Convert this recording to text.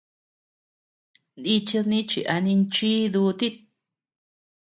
Nichid nichi a ninchii dutit.